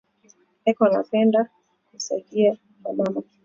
Eko na penda ku saidiya ba mama ku uza ma mashamba kwa chefu